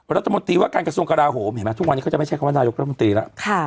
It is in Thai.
รัฐมนตรีว่าการกระทรวงกราโหมเห็นไหมทุกวันนี้เขาจะไม่ใช่คำว่านายกรัฐมนตรีแล้ว